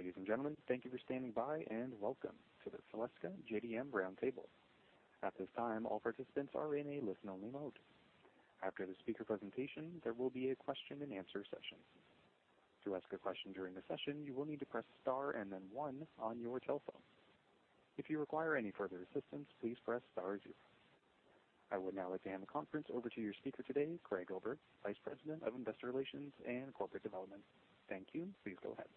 Ladies and gentlemen, thank you for standing by, and welcome to the Celestica JDM Roundtable. At this time all participants are on a listen-only mode. After the speaker presentation, there will be a question-and-answer session. To ask a question during the session, you will need to press star and then one on your telephone. If you require any further assistance please press star two. I would now like to hand the conference over to your speaker today, Craig Oberg, Vice President of Investor Relations and Corporate Development. Thank you. Please go ahead.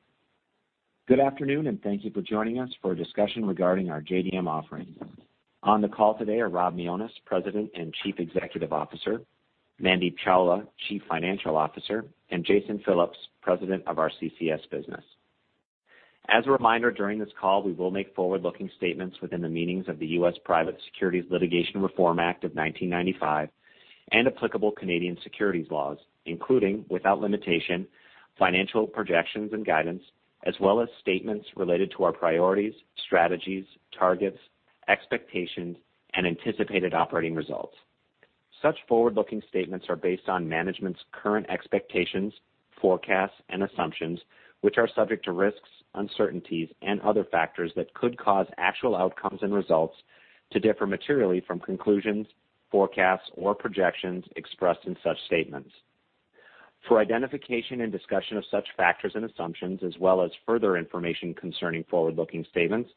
Good afternoon, and thank you for joining us for a discussion regarding our JDM offerings. On the call today are Rob Mionis, President and Chief Executive Officer, Mandeep Chawla, Chief Financial Officer, and Jason Phillips, President of our CCS business. As a reminder, during this call, we will make forward-looking statements within the meanings of the U.S. Private Securities Litigation Reform Act of 1995 and applicable Canadian securities laws, including, without limitation, financial projections and guidance, as well as statements related to our priorities, strategies, targets, expectations, and anticipated operating results. Such forward-looking statements are based on management's current expectations, forecasts, and assumptions, which are subject to risks, uncertainties, and other factors that could cause actual outcomes and results to differ materially from conclusions, forecasts, or projections expressed in such statements. For identification and discussion of such factors and assumptions, as well as further information concerning forward-looking statements,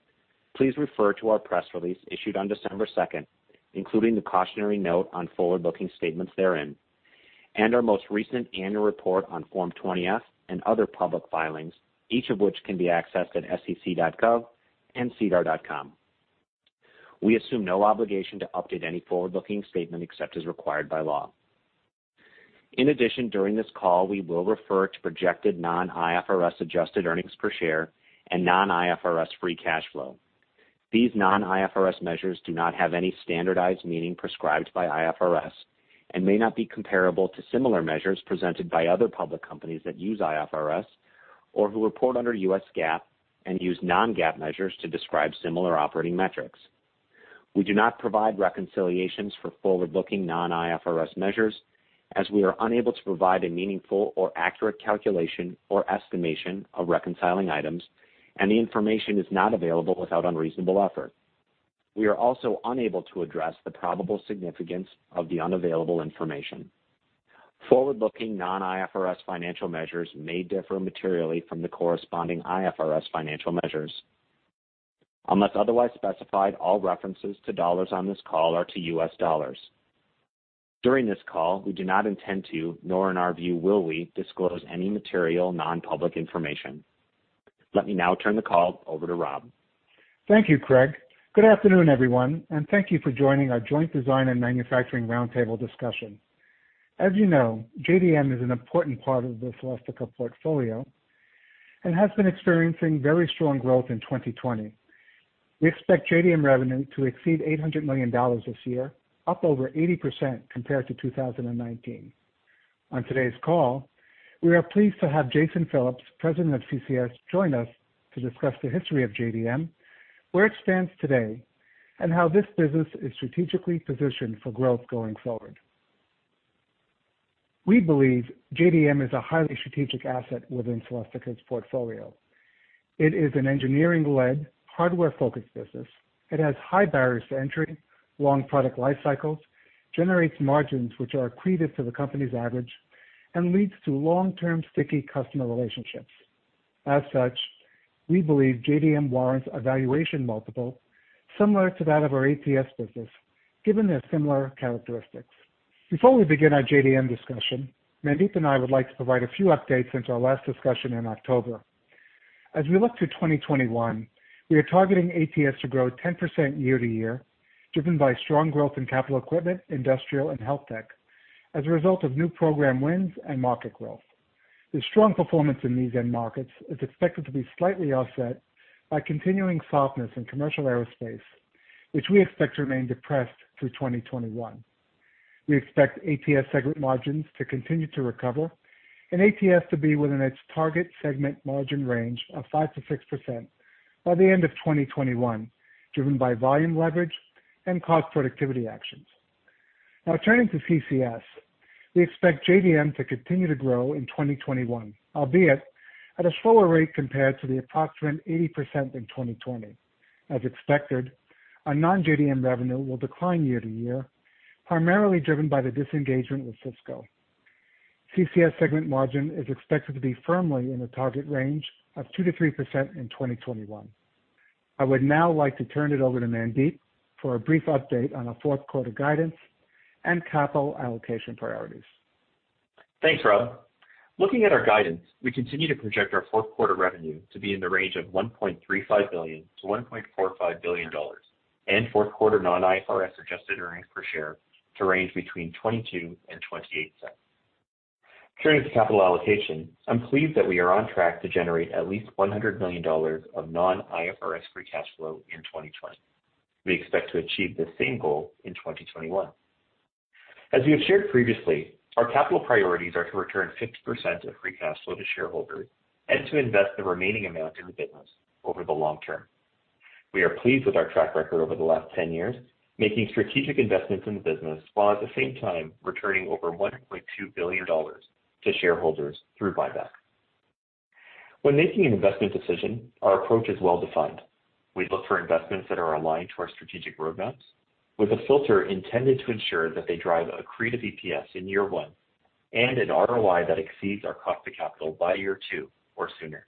please refer to our press release issued on December 2nd, including the cautionary note on forward-looking statements therein, and our most recent annual report on Form 20-F and other public filings, each of which can be accessed at sec.gov and sedar.com. We assume no obligation to update any forward-looking statement except as required by law. In addition, during this call, we will refer to projected non-IFRS adjusted earnings per share and non-IFRS free cash flow. These non-IFRS measures do not have any standardized meaning prescribed by IFRS and may not be comparable to similar measures presented by other public companies that use IFRS or who report under U.S. GAAP and use non-GAAP measures to describe similar operating metrics. We do not provide reconciliations for forward-looking, non-IFRS measures as we are unable to provide a meaningful or accurate calculation or estimation of reconciling items, and the information is not available without unreasonable effort. We are also unable to address the probable significance of the unavailable information. Forward-looking, non-IFRS financial measures may differ materially from the corresponding IFRS financial measures. Unless otherwise specified, all references to dollars on this call are to U.S. dollars. During this call, we do not intend to, nor in our view, will we, disclose any material non-public information. Let me now turn the call over to Rob. Thank you, Craig. Good afternoon, everyone, and thank you for joining our Joint Design and Manufacturing Roundtable discussion. As you know, JDM is an important part of the Celestica portfolio and has been experiencing very strong growth in 2020. We expect JDM revenue to exceed $800 million this year, up over 80% compared to 2019. On today's call, we are pleased to have Jason Phillips, President of CCS, join us to discuss the history of JDM, where it stands today, and how this business is strategically positioned for growth going forward. We believe JDM is a highly strategic asset within Celestica's portfolio. It is an engineering-led, hardware-focused business. It has high barriers to entry, long product life cycles, generates margins which are accretive to the company's average, and leads to long-term sticky customer relationships. As such, we believe JDM warrants a valuation multiple similar to that of our ATS business, given their similar characteristics. Before we begin our JDM discussion, Mandeep and I would like to provide a few updates since our last discussion in October. As we look to 2021, we are targeting ATS to grow 10% year-over-year, driven by strong growth in capital equipment, industrial, and health tech as a result of new program wins and market growth. The strong performance in these end markets is expected to be slightly offset by continuing softness in commercial aerospace, which we expect to remain depressed through 2021. We expect ATS segment margins to continue to recover and ATS to be within its target segment margin range of 5%-6% by the end of 2021, driven by volume leverage and cost productivity actions. Now turning to CCS, we expect JDM to continue to grow in 2021, albeit at a slower rate compared to the approximate 80% in 2020. As expected, our non-JDM revenue will decline year-over-year, primarily driven by the disengagement with Cisco. CCS segment margin is expected to be firmly in the target range of 2%-3% in 2021. I would now like to turn it over to Mandeep for a brief update on our fourth quarter guidance and capital allocation priorities. Thanks, Rob. Looking at our guidance, we continue to project our fourth quarter revenue to be in the range of $1.35 billion-$1.45 billion, and fourth quarter non-IFRS adjusted earnings per share to range between $0.22 and $0.28. Turning to capital allocation, I'm pleased that we are on track to generate at least $100 million of non-IFRS free cash flow in 2020. We expect to achieve the same goal in 2021. As we have shared previously, our capital priorities are to return 50% of free cash flow to shareholders and to invest the remaining amount in the business over the long term. We are pleased with our track record over the last 10 years, making strategic investments in the business, while at the same time returning over $1.2 billion to shareholders through buyback. When making an investment decision, our approach is well-defined. We look for investments that are aligned to our strategic roadmaps with a filter intended to ensure that they drive accretive EPS in year one and an ROI that exceeds our cost of capital by year two or sooner.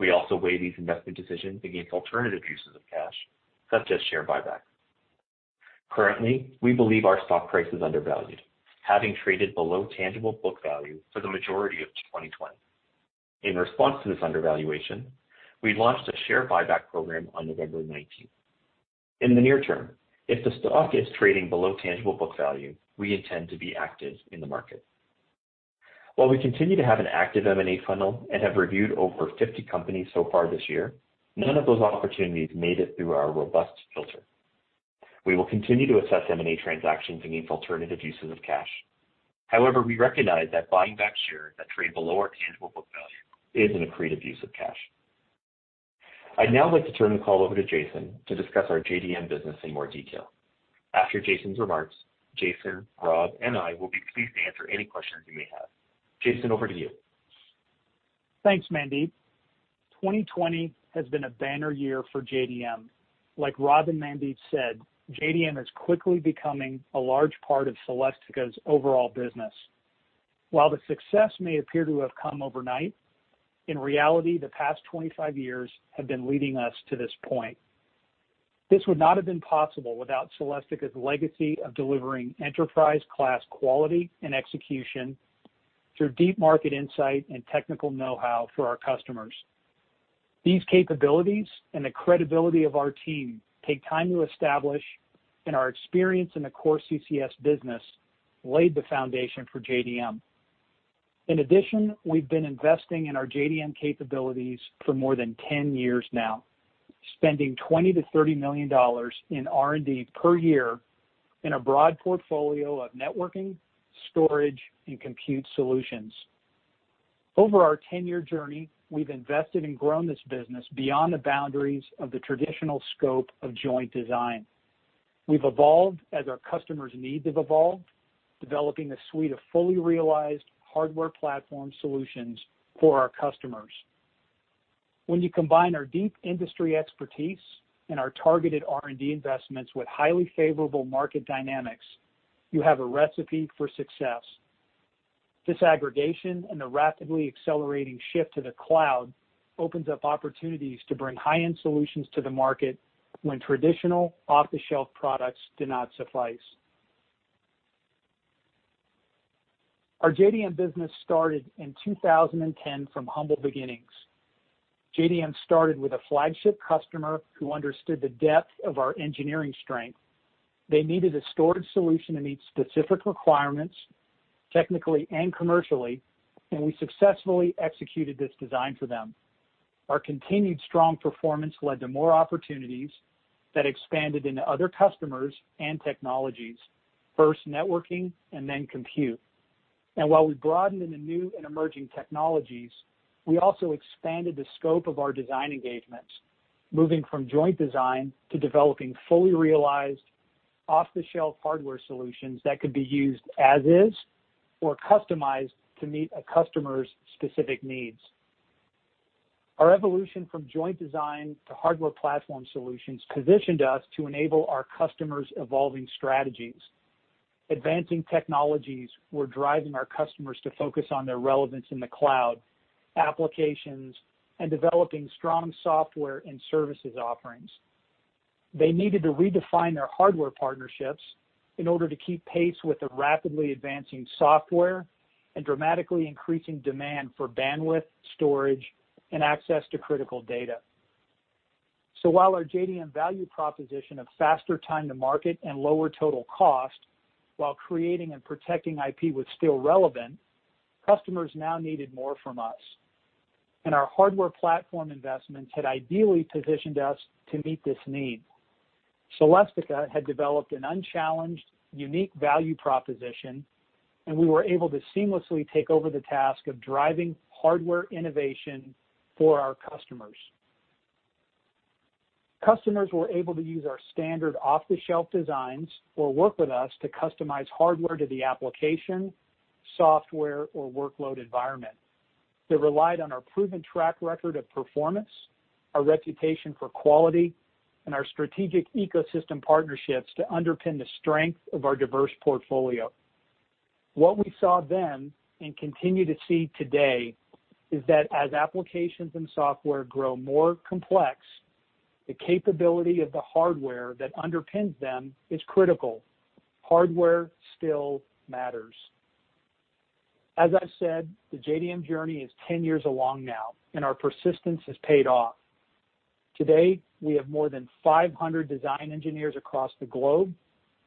We also weigh these investment decisions against alternative uses of cash, such as share buyback. Currently, we believe our stock price is undervalued, having traded below tangible book value for the majority of 2020. In response to this undervaluation, we launched a share buyback program on November 19th. In the near term, if the stock is trading below tangible book value, we intend to be active in the market. While we continue to have an active M&A funnel and have reviewed over 50 companies so far this year, none of those opportunities made it through our robust filter. We will continue to assess M&A transactions against alternative uses of cash. However, we recognize that buying back shares that trade below our tangible book value is an accretive use of cash. I'd now like to turn the call over to Jason to discuss our JDM business in more detail. After Jason's remarks, Jason, Rob, and I will be pleased to answer any questions you may have. Jason, over to you. Thanks, Mandeep. 2020 has been a banner year for JDM. Like Rob and Mandeep said, JDM is quickly becoming a large part of Celestica's overall business. While the success may appear to have come overnight, in reality, the past 25 years have been leading us to this point. This would not have been possible without Celestica's legacy of delivering enterprise-class quality and execution through deep market insight and technical know-how for our customers. These capabilities and the credibility of our team take time to establish, and our experience in the core CCS business laid the foundation for JDM. In addition, we've been investing in our JDM capabilities for more than 10 years now, spending $20 million-$30 million in R&D per year in a broad portfolio of networking, storage, and compute solutions. Over our 10-year journey, we've invested and grown this business beyond the boundaries of the traditional scope of joint design. We've evolved as our customers' needs have evolved, developing a suite of fully realized Hardware Platform Solutions for our customers. When you combine our deep industry expertise and our targeted R&D investments with highly favorable market dynamics, you have a recipe for success. Disaggregation and the rapidly accelerating shift to the cloud opens up opportunities to bring high-end solutions to the market when traditional off-the-shelf products do not suffice. Our JDM business started in 2010 from humble beginnings. JDM started with a flagship customer who understood the depth of our engineering strength. They needed a storage solution to meet specific requirements, technically and commercially, and we successfully executed this design for them. Our continued strong performance led to more opportunities that expanded into other customers and technologies, first networking and then compute. While we broadened into new and emerging technologies, we also expanded the scope of our design engagements, moving from joint design to developing fully realized off-the-shelf hardware solutions that could be used as is or customized to meet a customer's specific needs. Our evolution from joint design to Hardware Platform Solutions positioned us to enable our customers' evolving strategies. Advancing technologies were driving our customers to focus on their relevance in the cloud, applications, and developing strong software and services offerings. They needed to redefine their hardware partnerships in order to keep pace with the rapidly advancing software and dramatically increasing demand for bandwidth, storage, and access to critical data. While our JDM value proposition of faster time to market and lower total cost, while creating and protecting IP was still relevant, customers now needed more from us, and our hardware platform investments had ideally positioned us to meet this need. Celestica had developed an unchallenged, unique value proposition, and we were able to seamlessly take over the task of driving hardware innovation for our customers. Customers were able to use our standard off-the-shelf designs or work with us to customize hardware to the application, software, or workload environment. They relied on our proven track record of performance, our reputation for quality, and our strategic ecosystem partnerships to underpin the strength of our diverse portfolio. What we saw then and continue to see today, is that as applications and software grow more complex, the capability of the hardware that underpins them is critical. Hardware still matters. As I've said, the JDM journey is 10 years along now. Our persistence has paid off. Today, we have more than 500 design engineers across the globe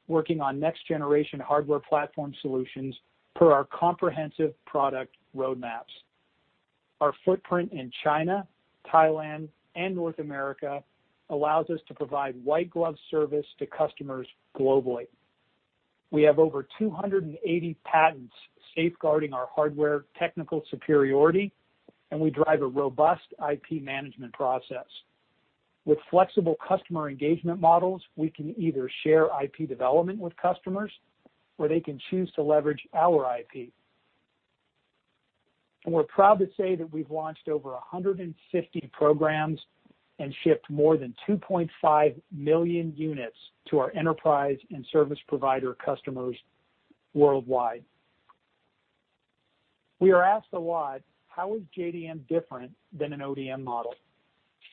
working on next-generation Hardware Platform Solutions per our comprehensive product roadmaps. Our footprint in China, Thailand, and North America allows us to provide white glove service to customers globally. We have over 280 patents safeguarding our hardware technical superiority. We drive a robust IP management process. With flexible customer engagement models, we can either share IP development with customers. They can choose to leverage our IP. We're proud to say that we've launched over 150 programs and shipped more than 2.5 million units to our enterprise and service provider customers worldwide. We are asked a lot, how is JDM different than an ODM model?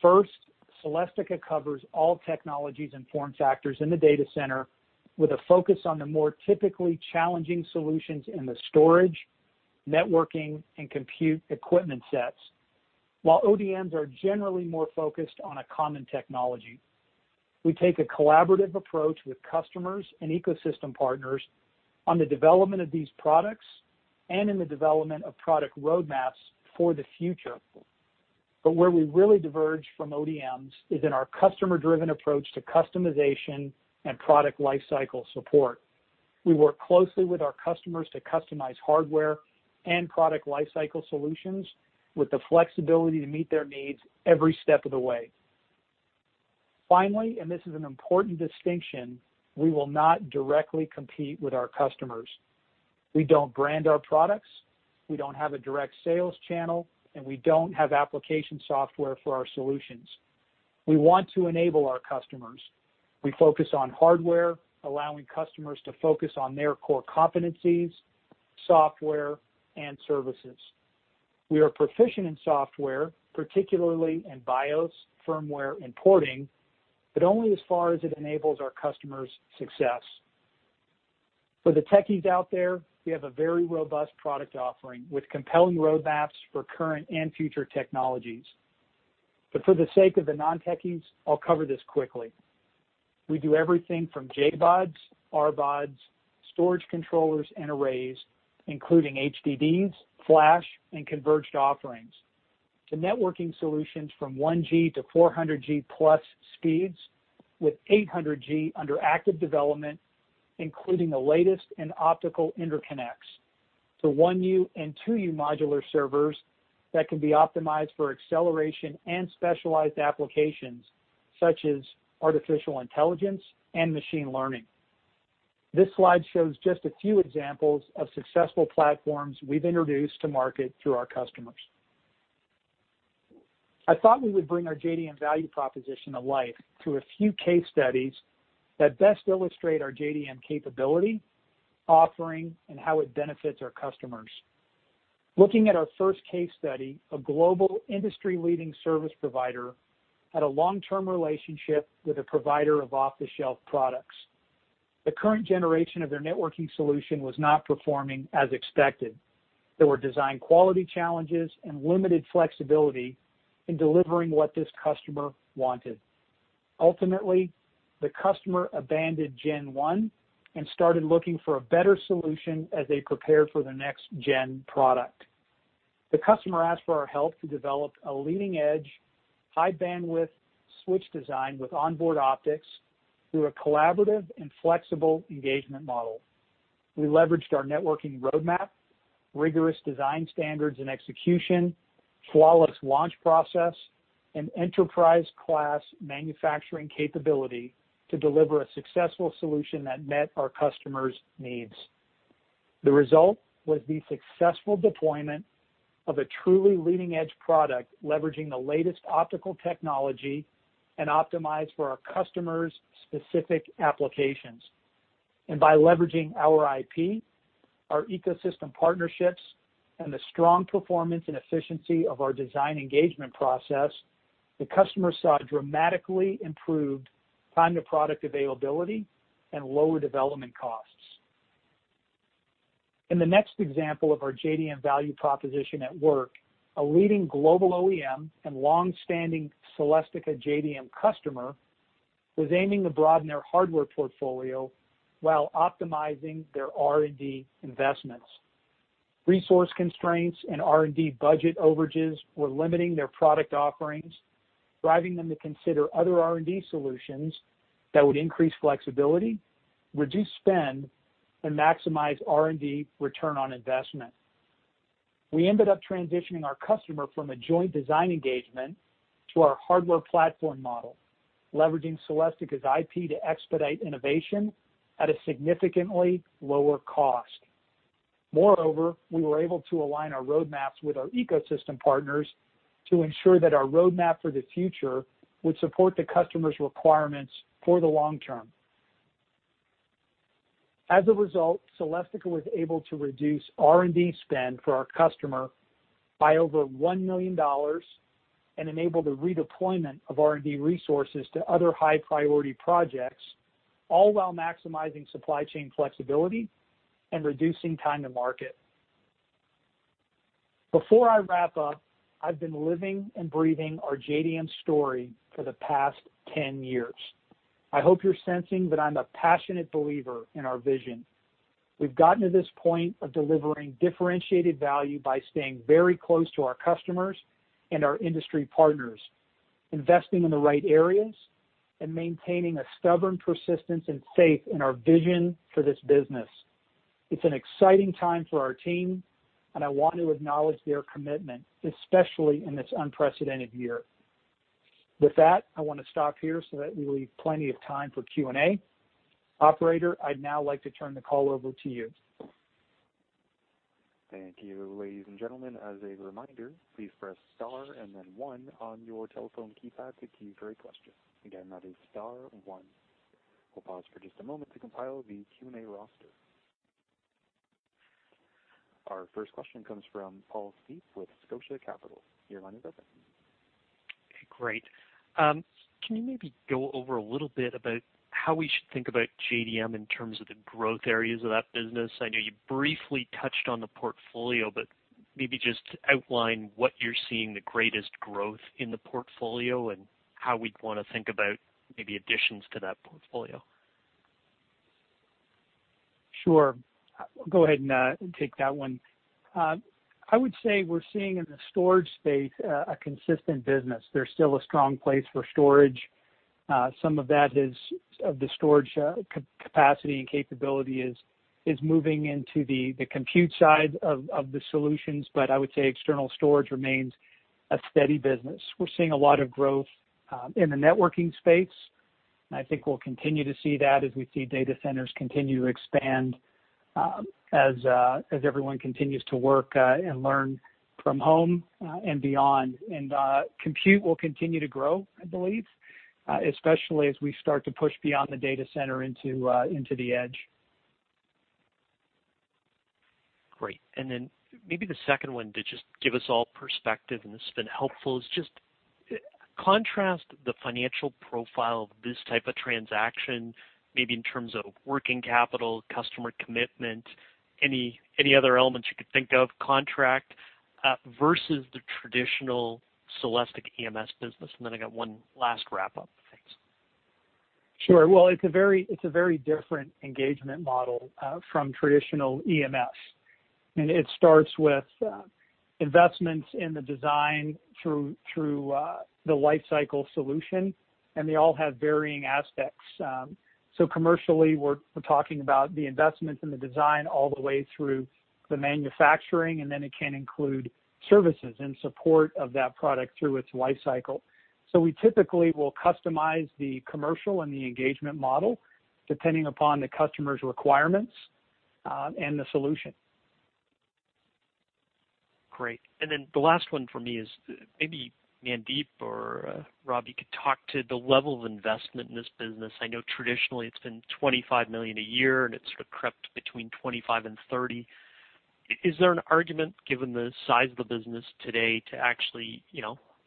First, Celestica covers all technologies and form factors in the data center with a focus on the more typically challenging solutions in the storage, networking, and compute equipment sets, while ODMs are generally more focused on a common technology. We take a collaborative approach with customers and ecosystem partners on the development of these products and in the development of product roadmaps for the future. Where we really diverge from ODMs is in our customer-driven approach to customization and product lifecycle support. We work closely with our customers to customize hardware and product lifecycle solutions with the flexibility to meet their needs every step of the way. Finally, and this is an important distinction, we will not directly compete with our customers. We don't brand our products, we don't have a direct sales channel, and we don't have application software for our solutions. We want to enable our customers. We focus on hardware, allowing customers to focus on their core competencies, software, and services. We are proficient in software, particularly in BIOS, firmware, and porting, but only as far as it enables our customers' success. For the techies out there, we have a very robust product offering with compelling roadmaps for current and future technologies. For the sake of the non-techies, I'll cover this quickly. We do everything from JBODs, RBODs, storage controllers, and arrays, including HDDs, flash, and converged offerings, to networking solutions from 100G to 400G+ speeds with 800G under active development, including the latest in optical interconnects, to 1U and 2U modular servers that can be optimized for acceleration and specialized applications such as artificial intelligence and machine learning. This slide shows just a few examples of successful platforms we've introduced to market through our customers. I thought we would bring our JDM value proposition to life through a few case studies that best illustrate our JDM capability, offering, and how it benefits our customers. Looking at our first case study, a global industry-leading service provider had a long-term relationship with a provider of off-the-shelf products. The current generation of their networking solution was not performing as expected. There were design quality challenges and limited flexibility in delivering what this customer wanted. Ultimately, the customer abandoned Gen One and started looking for a better solution as they prepared for their next gen product. The customer asked for our help to develop a leading-edge, high-bandwidth switch design with onboard optics through a collaborative and flexible engagement model. We leveraged our networking roadmap, rigorous design standards and execution, flawless launch process, and enterprise-class manufacturing capability to deliver a successful solution that met our customer's needs. The result was the successful deployment of a truly leading-edge product leveraging the latest optical technology and optimized for our customer's specific applications. By leveraging our IP, our ecosystem partnerships, and the strong performance and efficiency of our design engagement process, the customer saw dramatically improved time to product availability and lower development costs. In the next example of our JDM value proposition at work, a leading global OEM and longstanding Celestica JDM customer was aiming to broaden their hardware portfolio while optimizing their R&D investments. Resource constraints and R&D budget overages were limiting their product offerings, driving them to consider other R&D solutions that would increase flexibility, reduce spend, and maximize R&D return on investment. We ended up transitioning our customer from a joint design engagement to our hardware platform model, leveraging Celestica's IP to expedite innovation at a significantly lower cost. We were able to align our roadmaps with our ecosystem partners to ensure that our roadmap for the future would support the customer's requirements for the long term. Celestica was able to reduce R&D spend for our customer by over $1 million and enable the redeployment of R&D resources to other high-priority projects, all while maximizing supply chain flexibility and reducing time to market. Before I wrap up, I've been living and breathing our JDM story for the past 10 years. I hope you're sensing that I'm a passionate believer in our vision. We've gotten to this point of delivering differentiated value by staying very close to our customers and our industry partners, investing in the right areas, and maintaining a stubborn persistence and faith in our vision for this business. It's an exciting time for our team, and I want to acknowledge their commitment, especially in this unprecedented year. With that, I want to stop here so that we leave plenty of time for Q&A. Operator, I'd now like to turn the call over to you. Thank you, ladies and gentlemen. As a reminder, please press star and then one on your telephone keypad to queue for a question. Again, that is star one. We'll pause for just a moment to compile the Q&A roster. Our first question comes from Paul Steep with Scotia Capital. Your line is open. Great. Can you maybe go over a little bit about how we should think about JDM in terms of the growth areas of that business? I know you briefly touched on the portfolio, but maybe just outline what you're seeing the greatest growth in the portfolio, and how we'd want to think about maybe additions to that portfolio. Sure. I'll go ahead and take that one. I would say we're seeing in the storage space a consistent business. There's still a strong place for storage. Some of the storage capacity and capability is moving into the compute side of the solutions, but I would say external storage remains a steady business. We're seeing a lot of growth in the networking space. I think we'll continue to see that as we see data centers continue to expand, as everyone continues to work and learn from home and beyond. Compute will continue to grow, I believe, especially as we start to push beyond the data center into the edge. Great. Maybe the second one to just give us all perspective, this has been helpful, is just contrast the financial profile of this type of transaction, maybe in terms of working capital, customer commitment, any other elements you could think of, contract, versus the traditional Celestica EMS business. I got one last wrap up. Thanks. Sure. Well, it's a very different engagement model from traditional EMS. It starts with investments in the design through the life cycle solution. They all have varying aspects. Commercially, we're talking about the investments in the design all the way through the manufacturing. It can include services in support of that product through its life cycle. We typically will customize the commercial and the engagement model depending upon the customer's requirements and the solution. Great. The last one for me is, maybe Mandeep or Rob, you could talk to the level of investment in this business. I know traditionally it's been $25 million a year, and it sort of crept between $25 million and $30 million. Is there an argument, given the size of the business today, to actually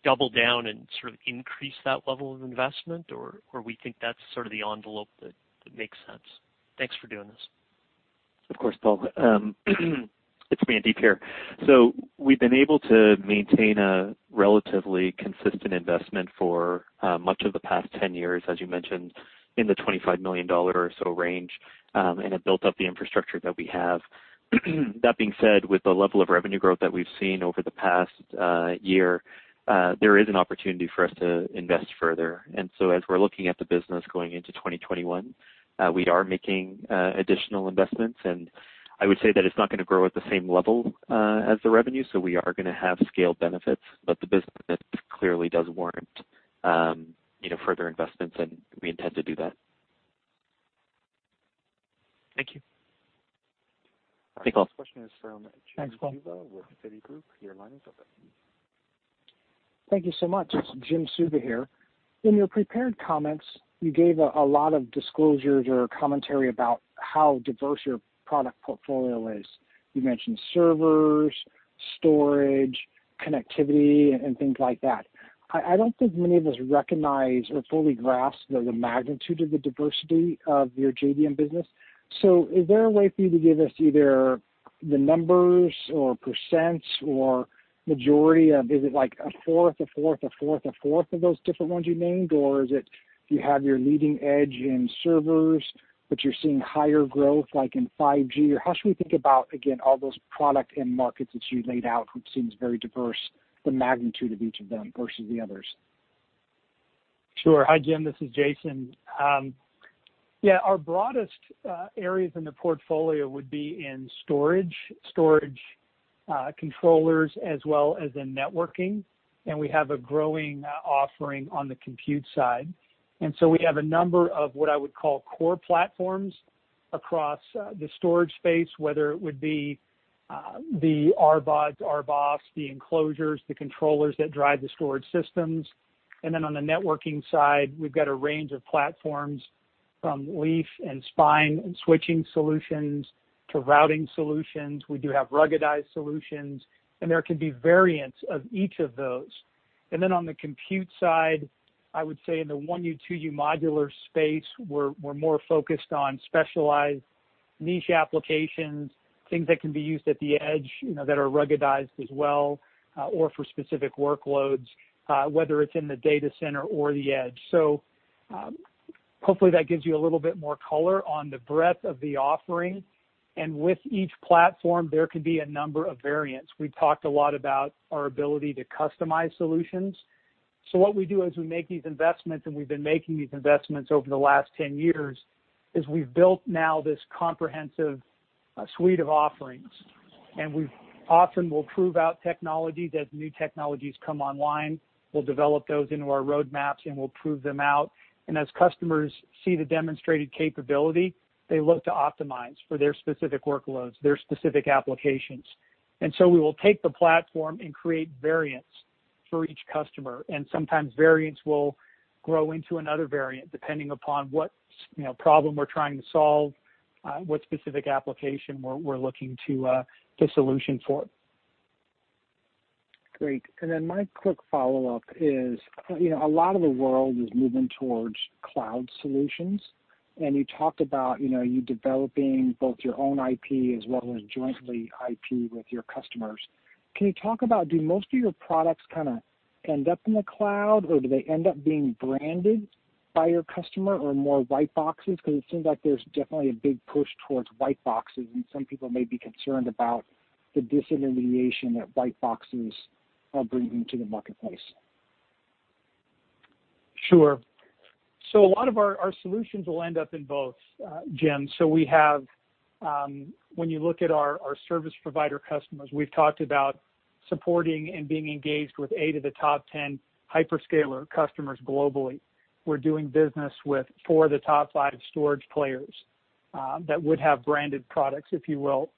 double down and sort of increase that level of investment, or we think that's sort of the envelope that makes sense? Thanks for doing this. Of course, Paul. It's Mandeep here. We've been able to maintain a relatively consistent investment for much of the past 10 years, as you mentioned, in the $25 million or so range, and have built up the infrastructure that we have. That being said, with the level of revenue growth that we've seen over the past one year, there is an opportunity for us to invest further. As we're looking at the business going into 2021, we are making additional investments. I would say that it's not gonna grow at the same level as the revenue so we are gonna have scale benefits. The business clearly does warrant further investments, and we intend to do that. Thank you. Thanks, Paul. Our next question is from Jim Suva with Citigroup. Your line is open. Thank you so much. It's Jim Suva here. In your prepared comments, you gave a lot of disclosures or commentary about how diverse your product portfolio is. You mentioned servers, storage, connectivity, and things like that. I don't think many of us recognize or fully grasp the magnitude of the diversity of your JDM business. Is there a way for you to give us either the numbers or percents or majority of, is it like a fourth of those different ones you named, or is it you have your leading edge in servers, but you're seeing higher growth like in 5G? How should we think about, again, all those product and markets that you laid out, which seems very diverse, the magnitude of each of them versus the others? Sure. Hi, Jim. This is Jason. Yeah, our broadest areas in the portfolio would be in storage controllers, as well as in networking, and we have a growing offering on the compute side. So we have a number of what I would call core platforms across the storage space, whether it would be the RBODs, the enclosures, the controllers that drive the storage systems. Then on the networking side, we've got a range of platforms from leaf and spine switching solutions to routing solutions. We do have ruggedized solutions, and there can be variants of each of those. Then on the compute side, I would say in the 1U, 2U modular space, we're more focused on specialized niche applications, things that can be used at the edge that are ruggedized as well, or for specific workloads, whether it's in the data center or the edge. Hopefully, that gives you a little bit more color on the breadth of the offering. With each platform, there could be a number of variants. We've talked a lot about our ability to customize solutions. What we do is we make these investments, and we've been making these investments over the last 10 years, is we've built now this comprehensive suite of offerings, and we often will prove out technologies as new technologies come online. We'll develop those into our roadmaps, and we'll prove them out. As customers see the demonstrated capability, they look to optimize for their specific workloads, their specific applications. We will take the platform and create variants for each customer, and sometimes variants will grow into another variant, depending upon what problem we're trying to solve, what specific application we're looking to solution for. Great. Then my quick follow-up is, a lot of the world is moving towards cloud solutions, and you talked about you developing both your own IP as well as jointly IP with your customers. Can you talk about, do most of your products end up in the cloud, or do they end up being branded by your customer or more white boxes? It seems like there's definitely a big push towards white boxes, and some people may be concerned about the disintermediation that white boxes are bringing to the marketplace. Sure. A lot of our solutions will end up in both, Jim. When you look at our service provider customers, we've talked about supporting and being engaged with eight of the top 10 hyperscaler customers globally. We're doing business with four of the top five storage players that would have branded products, if you will.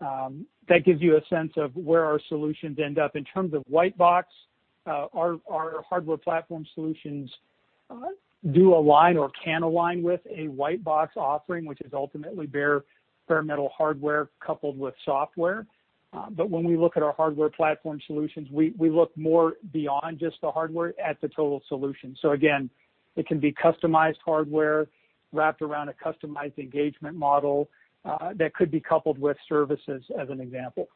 That gives you a sense of where our solutions end up. In terms of white box, our Hardware Platform Solutions do align or can align with a white box offering, which is ultimately bare metal hardware coupled with software. When we look at our Hardware Platform Solutions, we look more beyond just the hardware at the total solution. Again, it can be customized hardware wrapped around a customized engagement model that could be coupled with services as an example.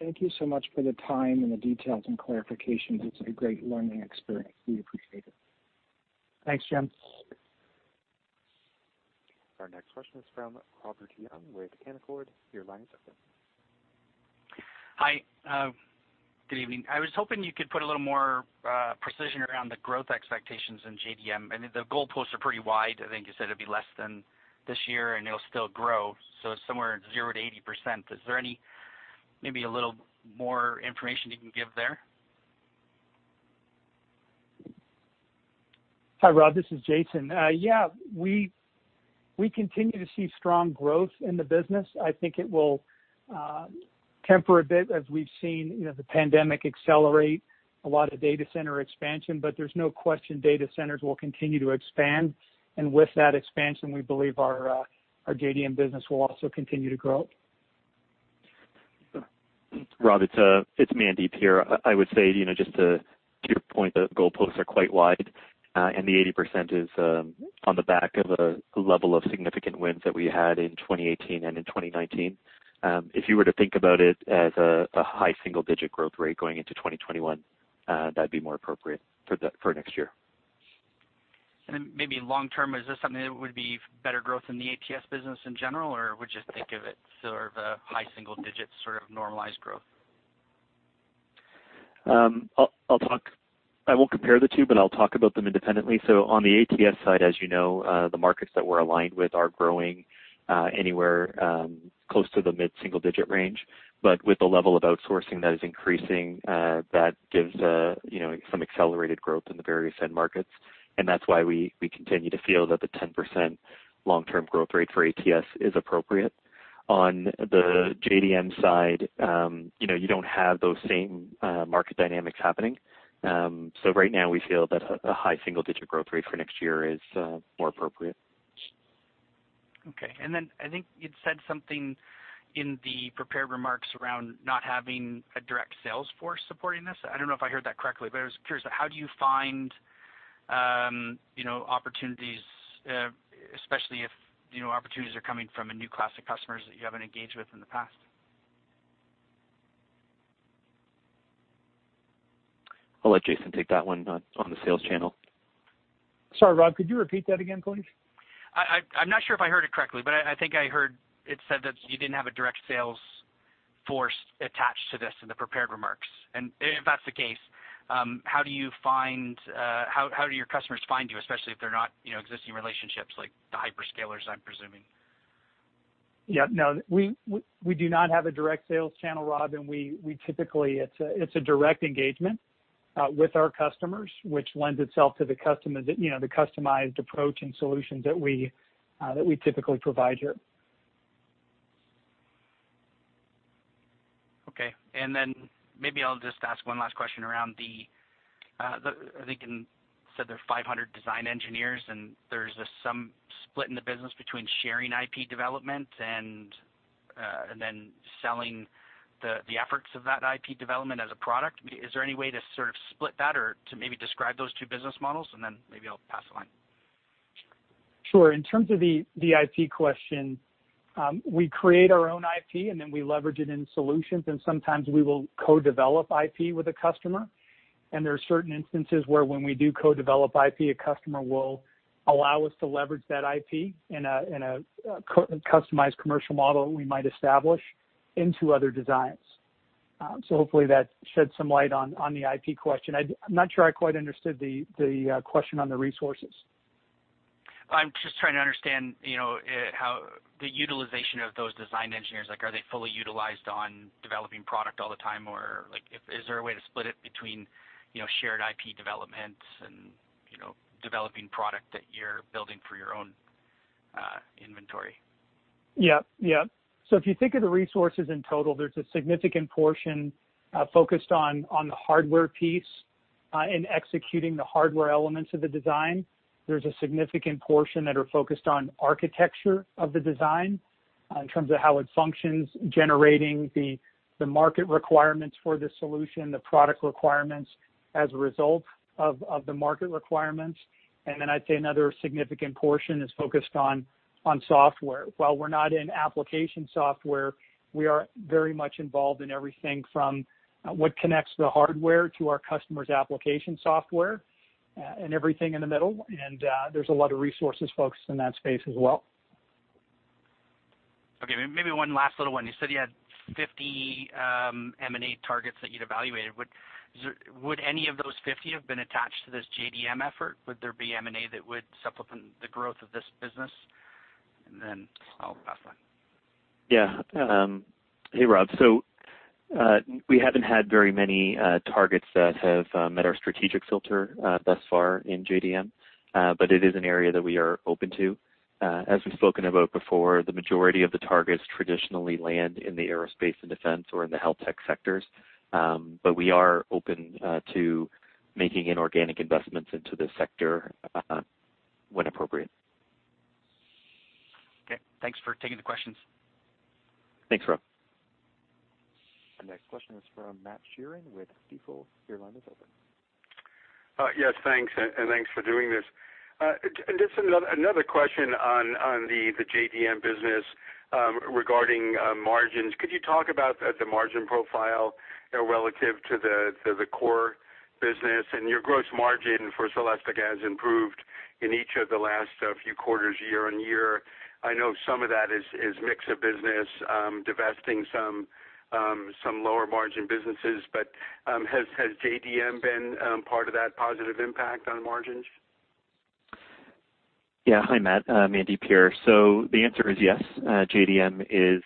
Thank you so much for the time and the details and clarifications. It's a great learning experience. We appreciate it. Thanks, Jim. Our next question is from Robert Young with Canaccord. Your line is open. Hi. Good evening. I was hoping you could put a little more precision around the growth expectations in JDM. I mean, the goalposts are pretty wide. I think you said it'd be less than this year, and it'll still grow, so somewhere 0%-80%. Is there maybe a little more information you can give there? Hi, Rob. This is Jason. Yeah. We continue to see strong growth in the business. I think it will temper a bit as we've seen the pandemic accelerate a lot of data center expansion. There's no question data centers will continue to expand, and with that expansion, we believe our JDM business will also continue to grow. Rob, it's Mandeep here. I would say, just to your point, the goalposts are quite wide, and the 80% is on the back of a level of significant wins that we had in 2018 and in 2019. If you were to think about it as a high single-digit growth rate going into 2021, that'd be more appropriate for next year. Maybe long term, is this something that would be better growth in the ATS business in general, or would you think of it sort of a high single digits sort of normalized growth? I won't compare the two, but I'll talk about them independently. On the ATS side, as you know, the markets that we're aligned with are growing anywhere close to the mid-single-digit range. With the level of outsourcing that is increasing, that gives some accelerated growth in the various end markets, and that's why we continue to feel that the 10% long-term growth rate for ATS is appropriate. On the JDM side, you don't have those same market dynamics happening. Right now, we feel that a high single-digit growth rate for next year is more appropriate. Okay, I think you'd said something in the prepared remarks around not having a direct sales force supporting this. I don't know if I heard that correctly. I was curious. How do you find opportunities, especially if opportunities are coming from a new class of customers that you haven't engaged with in the past? I'll let Jason take that one on the sales channel. Sorry, Rob, could you repeat that again, please? I'm not sure if I heard it correctly, but I think I heard it said that you didn't have a direct sales force attached to this in the prepared remarks. If that's the case, how do your customers find you, especially if they're not existing relationships, like the hyperscalers, I'm presuming? Yeah, no, we do not have a direct sales channel, Rob, and we typically, it's a direct engagement with our customers, which lends itself to the customized approach and solutions that we typically provide here. Okay. Then maybe I'll just ask one last question around the, I think you said there are 500 design engineers. There's some split in the business between sharing IP development and then selling the efforts of that IP development as a product. Is there any way to sort of split that or to maybe describe those two business models? Then maybe I'll pass along. Sure. In terms of the IP question, we create our own IP, and then we leverage it in solutions, and sometimes we will co-develop IP with a customer. There are certain instances where when we do co-develop IP, a customer will allow us to leverage that IP in a customized commercial model we might establish into other designs. Hopefully that sheds some light on the IP question. I'm not sure I quite understood the question on the resources. I'm just trying to understand, the utilization of those design engineers, are they fully utilized on developing product all the time? Or is there a way to split it between shared IP development and developing product that you're building for your own inventory? If you think of the resources in total, there's a significant portion, focused on the hardware piece, in executing the hardware elements of the design. There's a significant portion that are focused on architecture of the design, in terms of how it functions, generating the market requirements for the solution, the product requirements as a result of the market requirements. Then I'd say another significant portion is focused on software. While we're not in application software, we are very much involved in everything from what connects the hardware to our customer's application software, and everything in the middle. There's a lot of resources focused in that space as well. Okay, maybe one last little one. You said you had 50 M&A targets that you'd evaluated. Would any of those 50 have been attached to this JDM effort? Would there be M&A that would supplement the growth of this business? I'll pass on. Yeah. Hey, Rob. We haven't had very many targets that have met our strategic filter thus far in JDM. It is an area that we are open to. As we've spoken about before, the majority of the targets traditionally land in the aerospace and defense or in the health tech sectors. We are open to making inorganic investments into the sector, when appropriate. Okay. Thanks for taking the questions. Thanks, Rob. The next question is from Matt Sheerin with Stifel. Your line is open. Yes, thanks, and thanks for doing this. Just another question on the JDM business regarding margins. Could you talk about the margin profile relative to the core business, and your gross margin for Celestica has improved in each of the last few quarters, year-on-year. I know some of that is mix of business, divesting some lower margin businesses. Has JDM been part of that positive impact on margins? Yeah. Hi, Matt. Mandeep here. The answer is yes, JDM is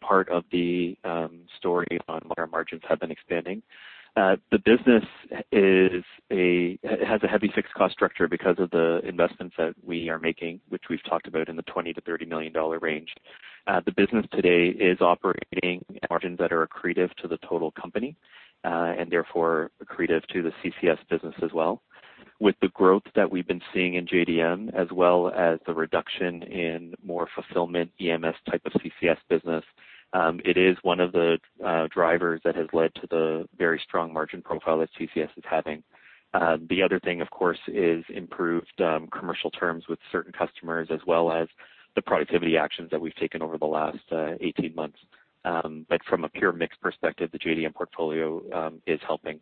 part of the story on why our margins have been expanding. The business has a heavy fixed cost structure because of the investments that we are making, which we've talked about in the $20 million-$30 million range. The business today is operating margins that are accretive to the total company, and therefore accretive to the CCS business as well. With the growth that we've been seeing in JDM, as well as the reduction in more fulfillment EMS type of CCS business, it is one of the drivers that has led to the very strong margin profile that CCS is having. The other thing, of course, is improved commercial terms with certain customers, as well as the productivity actions that we've taken over the last 18 months. From a pure mix perspective, the JDM portfolio is helping.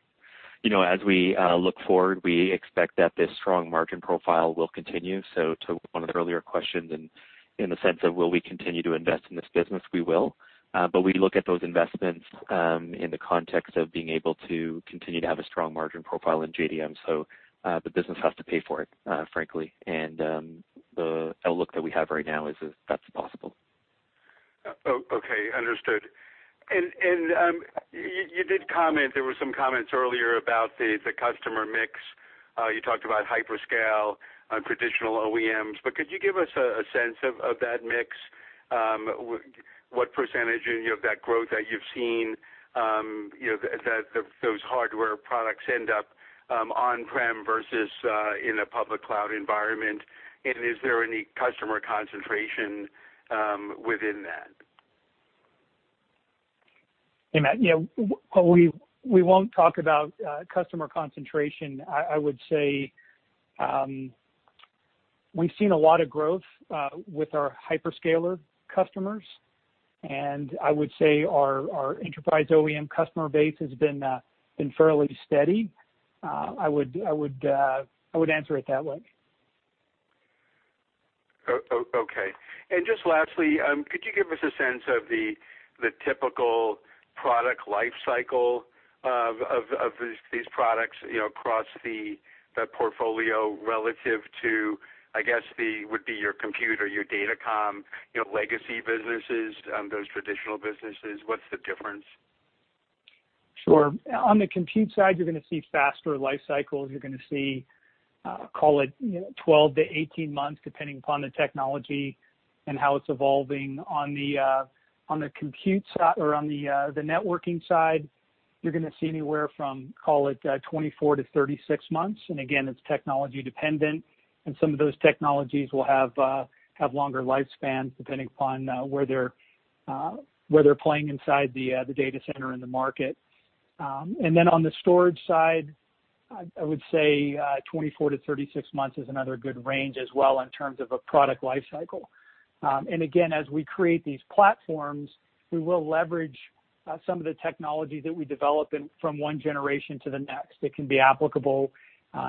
As we look forward, we expect that this strong margin profile will continue. To one of the earlier questions in the sense of will we continue to invest in this business, we will. We look at those investments in the context of being able to continue to have a strong margin profile in JDM. The business has to pay for it, frankly. The outlook that we have right now is that's possible. Okay. Understood. You did comment, there were some comments earlier about the customer mix. You talked about hyperscale and traditional OEMs. Could you give us a sense of that mix? What percentage of that growth that you've seen, those hardware products end up on-prem versus in a public cloud environment? Is there any customer concentration within that? Hey, Matt. We won't talk about customer concentration. I would say, we've seen a lot of growth with our hyperscaler customers. I would say our enterprise OEM customer base has been fairly steady. I would answer it that way. Okay. Just lastly, could you give us a sense of the typical product life cycle of these products, across the portfolio relative to, I guess, would be your computer, your datacom, legacy businesses, those traditional businesses. What's the difference? Sure. On the compute side, you're going to see faster life cycles. You're going to see, call it 12 months-18 months, depending upon the technology and how it's evolving. On the networking side, you're going to see anywhere from, call it 24 months-36 months. Again, it's technology dependent. Some of those technologies will have longer lifespans depending upon where they're playing inside the data center in the market. On the storage side, I would say 24 months-36 months is another good range as well in terms of a product life cycle. Again, as we create these platforms, we will leverage some of the technology that we develop from one generation to the next. It can be applicable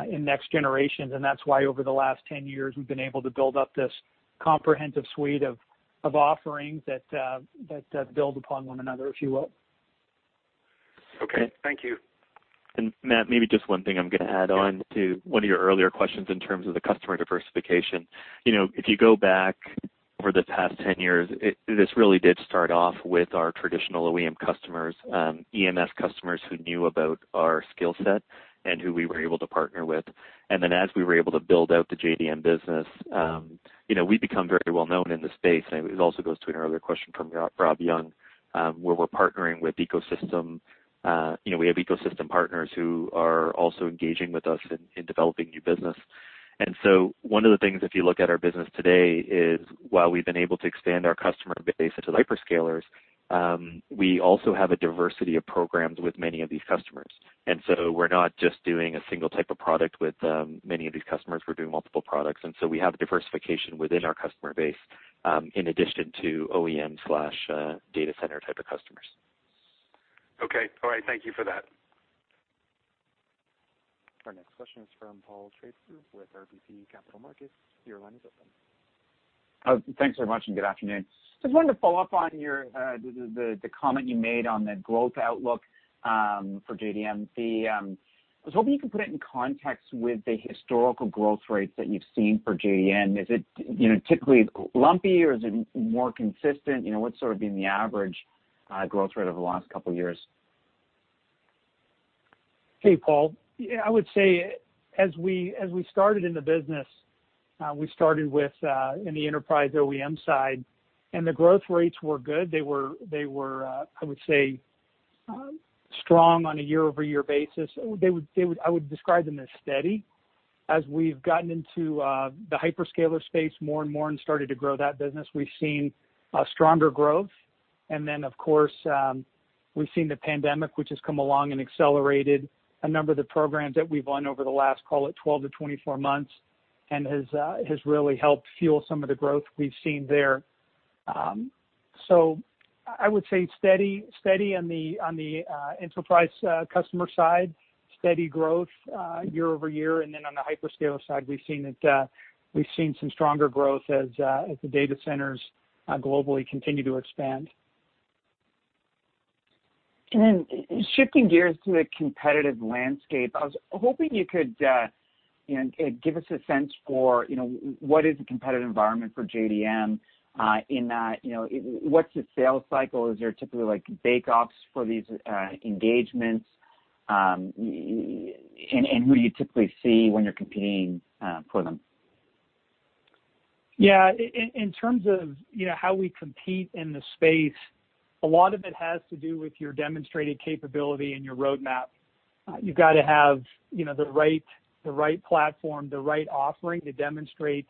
in next generations, and that's why over the last 10 years, we've been able to build up this comprehensive suite of offerings that build upon one another, if you will. Okay. Thank you. Matt, maybe just one thing I'm going to add on to one of your earlier questions in terms of the customer diversification. If you go back over the past 10 years, this really did start off with our traditional OEM customers, EMS customers who knew about our skill set and who we were able to partner with. Then as we were able to build out the JDM business, we've become very well-known in the space. It also goes to another question from Rob Young, where we're partnering with ecosystem. We have ecosystem partners who are also engaging with us in developing new business. So one of the things, if you look at our business today, is while we've been able to expand our customer base into the hyperscalers, we also have a diversity of programs with many of these customers. We're not just doing a single type of product with many of these customers. We're doing multiple products, and so we have diversification within our customer base, in addition to OEM/data center type of customers. Okay. All right, thank you for that. Our next question is from Paul Treiber with RBC Capital Markets. Your line is open. Thanks very much, and good afternoon. Just wanted to follow up on the comment you made on the growth outlook for JDM. I was hoping you could put it in context with the historical growth rates that you've seen for JDM. Is it typically lumpy, or is it more consistent? What's sort of been the average growth rate over the last couple of years? Hey, Paul. I would say as we started in the business, we started in the enterprise OEM side. The growth rates were good. They were, I would say, strong on a year-over-year basis. I would describe them as steady. As we've gotten into the hyperscaler space more and more and started to grow that business, we've seen stronger growth. Of course, we've seen the pandemic, which has come along and accelerated a number of the programs that we've won over the last, call it, 12months-24 months, has really helped fuel some of the growth we've seen there. I would say steady on the enterprise customer side, steady growth year-over-year, on the hyperscaler side, we've seen some stronger growth as the data centers globally continue to expand. Shifting gears to the competitive landscape, I was hoping you could give us a sense for what is the competitive environment for JDM in that, what's the sales cycle? Is there typically bake-offs for these engagements? Who do you typically see when you're competing for them? Yeah. In terms of how we compete in the space, a lot of it has to do with your demonstrated capability and your roadmap. You've got to have the right platform, the right offering to demonstrate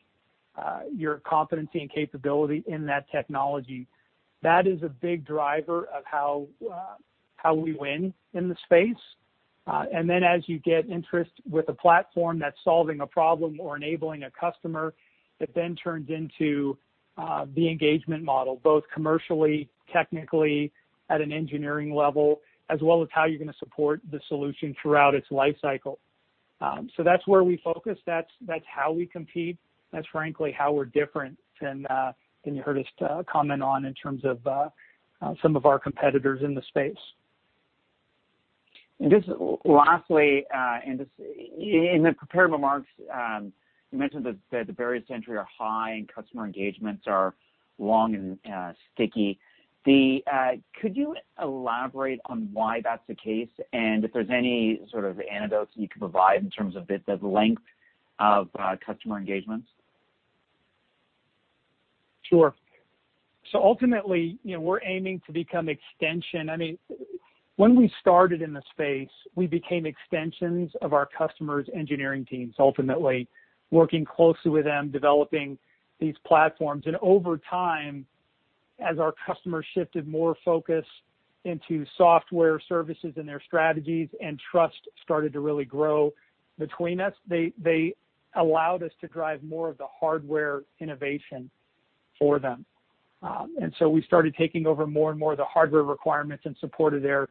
your competency and capability in that technology. That is a big driver of how we win in the space. As you get interest with a platform that's solving a problem or enabling a customer, that then turns into the engagement model, both commercially, technically, at an engineering level, as well as how you're going to support the solution throughout its life cycle. That's where we focus. That's how we compete. That's frankly how we're different than you heard us comment on in terms of some of our competitors in the space. Just lastly, in the prepared remarks, you mentioned that the barriers to entry are high and customer engagements are long and sticky. Could you elaborate on why that's the case and if there's any sort of anecdotes you can provide in terms of the length of customer engagements? Sure. Ultimately, we're aiming to become extension. When we started in the space, we became extensions of our customers' engineering teams, ultimately working closely with them, developing these platforms. Over time, as our customers shifted more focus into software services and their strategies and trust started to really grow between us, they allowed us to drive more of the hardware innovation for them. We started taking over more and more of the hardware requirements in support of their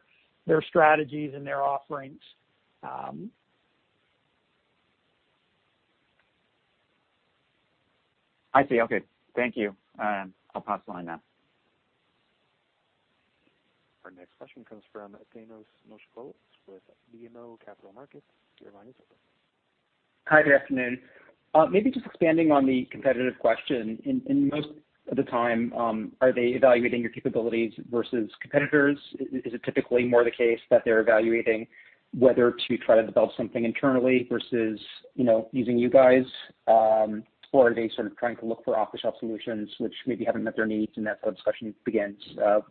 strategies and their offerings. I see. Okay. Thank you. I'll pass the line now. Our next question comes from Thanos Moschopoulos with BMO Capital Markets. Your line is open. Hi there, good afternoon. Maybe just expanding on the competitive question. In most of the time, are they evaluating your capabilities versus competitors? Is it typically more the case that they're evaluating whether to try to develop something internally versus using you guys? Or are they sort of trying to look for off-the-shelf solutions, which maybe haven't met their needs, and that's where the discussion begins?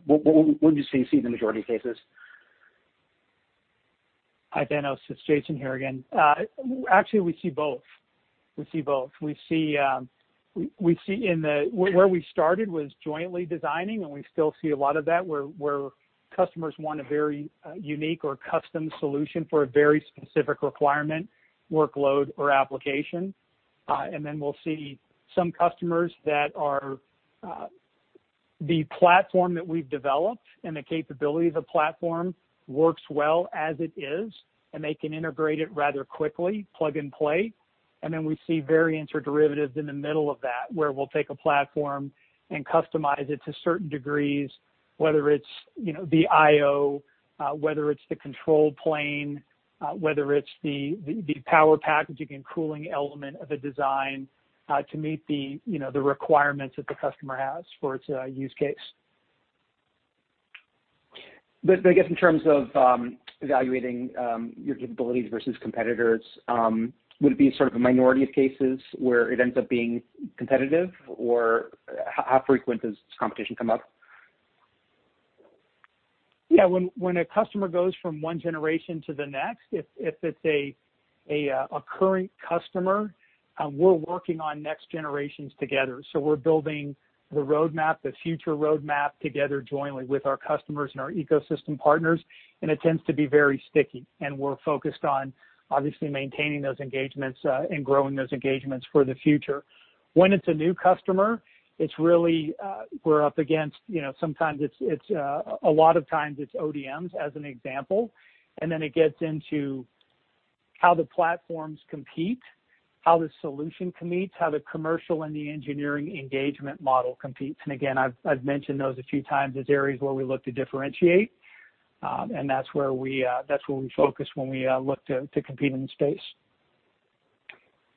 What would you say you see in the majority of cases? Hi, Thanos, it's Jason here again. Actually, we see both. Where we started was jointly designing, and we still see a lot of that where customers want a very unique or custom solution for a very specific requirement, workload, or application. Then we'll see some customers that the platform that we've developed and the capability of the platform works well as it is, and they can integrate it rather quickly, plug and play. Then we see variants or derivatives in the middle of that, where we'll take a platform and customize it to certain degrees, whether it's the IO, whether it's the control plane, whether it's the power packaging and cooling element of a design to meet the requirements that the customer has for its use case. I guess in terms of evaluating your capabilities versus competitors, would it be sort of a minority of cases where it ends up being competitive, or how frequent does competition come up? When a customer goes from one generation to the next, if it's a current customer, we're working on next generations together. We're building the future roadmap together jointly with our customers and our ecosystem partners, and it tends to be very sticky. We're focused on obviously maintaining those engagements and growing those engagements for the future. When it's a new customer, a lot of times it's ODMs, as an example, and then it gets into how the platforms compete, how the solution competes, how the commercial and the engineering engagement model competes. Again, I've mentioned those a few times as areas where we look to differentiate, and that's where we focus when we look to compete in the space.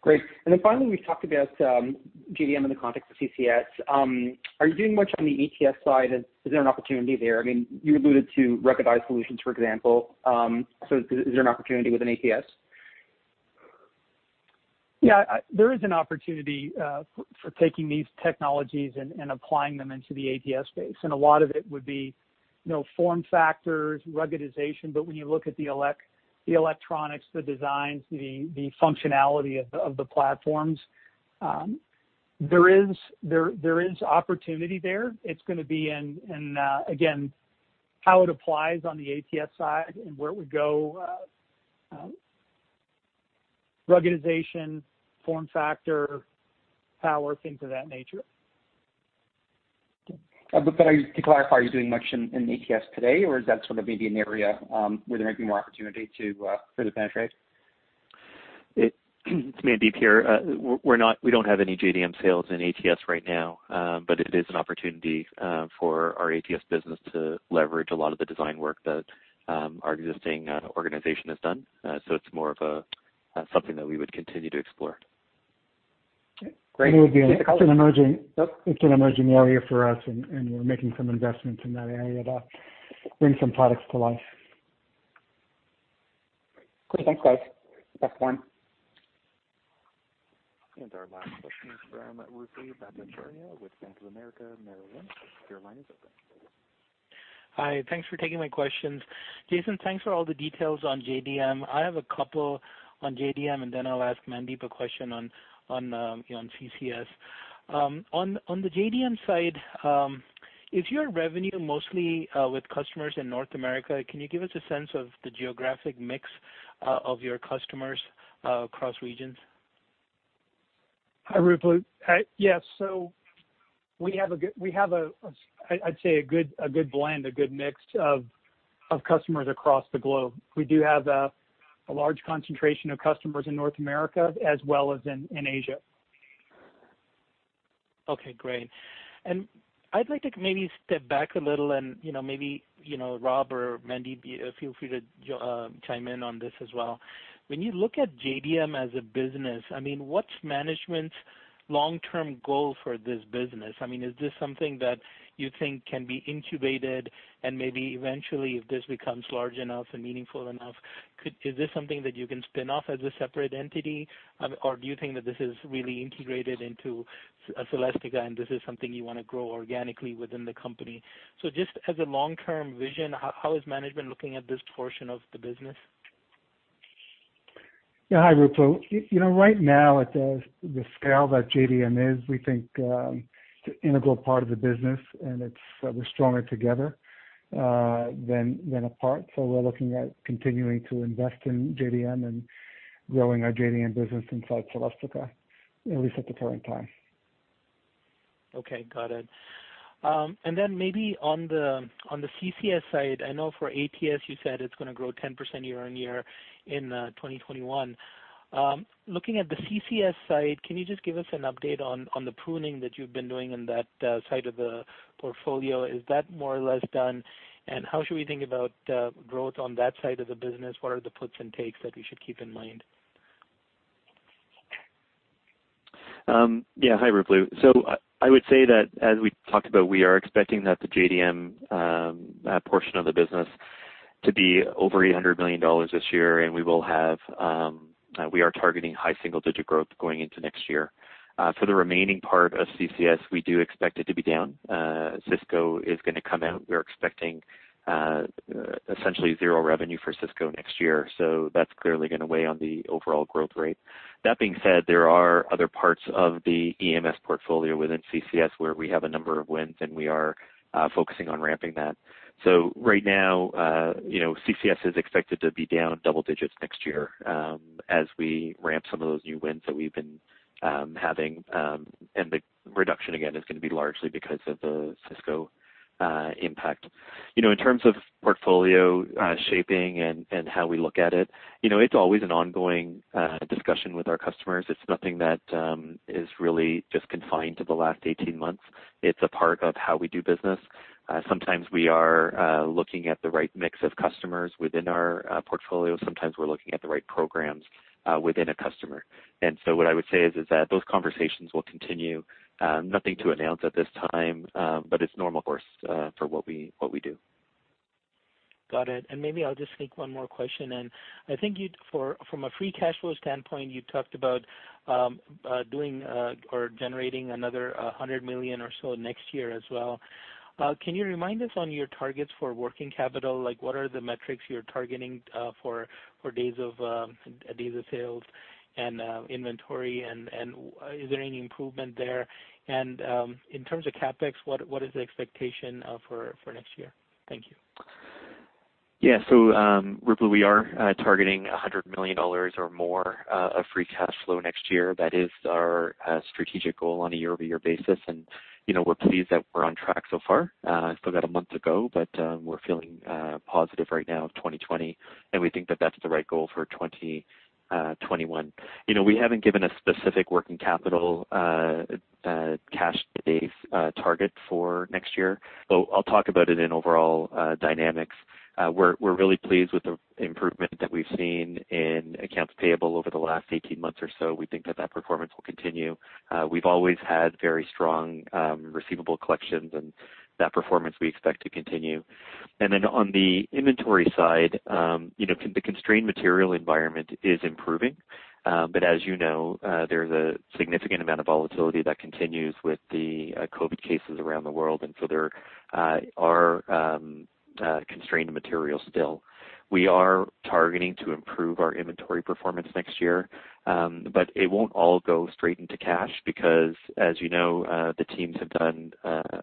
Great. Finally, we've talked about JDM in the context of CCS. Are you doing much on the ATS side? Is there an opportunity there? You alluded to ruggedized solutions, for example. Is there an opportunity with an ATS? Yeah. There is an opportunity for taking these technologies and applying them into the ATS space. A lot of it would be form factors, ruggedization. When you look at the electronics, the designs, the functionality of the platforms, there is opportunity there. It's going to be in, again, how it applies on the ATS side and where it would go, ruggedization, form factor, power, things of that nature. To clarify, are you doing much in ATS today, or is that sort of maybe an area where there might be more opportunity to further penetrate? It's Mandeep here. We don't have any JDM sales in ATS right now. It is an opportunity for our ATS business to leverage a lot of the design work that our existing organization has done. It's more of something that we would continue to explore. Okay, great. It's an emerging area for us, and we're making some investments in that area to bring some products to life. Great. Thanks, guys. Back to Warren. Our last question is from Ruplu Bhattacharya with Bank of America Merrill Lynch. Your line is open. Hi, thanks for taking my questions. Jason, thanks for all the details on JDM. I have a couple on JDM, and then I'll ask Mandeep a question on CCS. On the JDM side, is your revenue mostly with customers in North America? Can you give us a sense of the geographic mix of your customers across regions? Hi, Ruplu. Yes. We have, I'd say, a good blend, a good mix of customers across the globe. We do have a large concentration of customers in North America as well as in Asia. Okay, great. I'd like to maybe step back a little and maybe, Rob or Mandeep, feel free to chime in on this as well. When you look at JDM as a business, what's management's long-term goal for this business? Is this something that you think can be incubated, and maybe eventually, if this becomes large enough and meaningful enough, is this something that you can spin off as a separate entity? Do you think that this is really integrated into Celestica, and this is something you want to grow organically within the company? Just as a long-term vision, how is management looking at this portion of the business? Yeah. Hi, Ruplu. Right now, at the scale that JDM is, we think it's an integral part of the business, and we're stronger together than apart. We're looking at continuing to invest in JDM and growing our JDM business inside Celestica, at least at the current time. Okay, got it. Then maybe on the CCS side, I know for ATS, you said it's going to grow 10% year-on-year in 2021. Looking at the CCS side, can you just give us an update on the pruning that you've been doing on that side of the portfolio? Is that more or less done, and how should we think about growth on that side of the business? What are the puts and takes that we should keep in mind? Yeah. Hi, Ruplu. I would say that as we talked about, we are expecting that the JDM portion of the business to be over $800 million this year, and we are targeting high single-digit growth going into next year. For the remaining part of CCS, we do expect it to be down. Cisco is going to come out. We're expecting essentially zero revenue for Cisco next year, that's clearly going to weigh on the overall growth rate. That being said, there are other parts of the EMS portfolio within CCS where we have a number of wins, and we are focusing on ramping that. Right now, CCS is expected to be down double digits next year as we ramp some of those new wins that we've been having, and the reduction, again, is going to be largely because of the Cisco impact. In terms of portfolio shaping and how we look at it's always an ongoing discussion with our customers. It's nothing that is really just confined to the last 18 months. It's a part of how we do business. Sometimes we are looking at the right mix of customers within our portfolio. Sometimes we're looking at the right programs within a customer. What I would say is that those conversations will continue. Nothing to announce at this time, but it's normal course for what we do. Got it. Maybe I'll just sneak one more question in. I think from a free cash flow standpoint, you talked about doing or generating another $100 million or so next year as well. Can you remind us on your targets for working capital? What are the metrics you're targeting for days of sales and inventory, and is there any improvement there? In terms of CapEx, what is the expectation for next year? Thank you. Ruplu, we are targeting $100 million or more of free cash flow next year. That is our strategic goal on a year-over-year basis, and we're pleased that we're on track so far. Still got a month to go, but we're feeling positive right now of 2020, and we think that that's the right goal for 2021. We haven't given a specific working capital cash base target for next year, I'll talk about it in overall dynamics. We're really pleased with the improvement that we've seen in accounts payable over the last 18 months or so. We think that that performance will continue. We've always had very strong receivable collections and that performance we expect to continue. On the inventory side, the constrained material environment is improving. As you know, there's a significant amount of volatility that continues with the COVID cases around the world, and so there are constrained materials still. We are targeting to improve our inventory performance next year, but it won't all go straight into cash because, as you know, the teams have done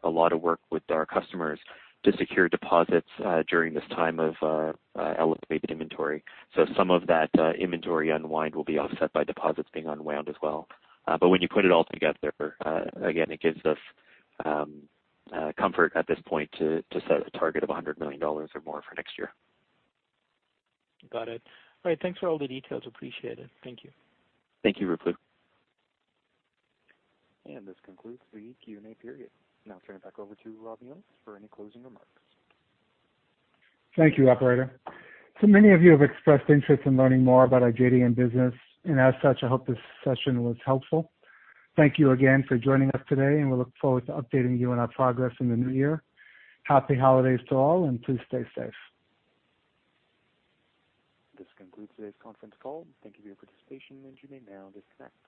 a lot of work with our customers to secure deposits during this time of elevated inventory. Some of that inventory unwind will be offset by deposits being unwound as well. When you put it all together, again, it gives us comfort at this point to set a target of $100 million or more for next year. Got it. All right. Thanks for all the details. Appreciate it. Thank you. Thank you, Ruplu. This concludes the Q&A period. Now turning back over to Rob Mionis for any closing remarks. Thank you, operator. Many of you have expressed interest in learning more about our JDM business, and as such, I hope this session was helpful. Thank you again for joining us today, and we look forward to updating you on our progress in the new year. Happy holidays to all, and please stay safe. This concludes today's conference call. Thank you for your participation, and you may now disconnect.